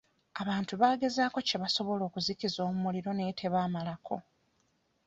Abantu baagezako kye basobola okuzikiza omuliro naye tebamalako.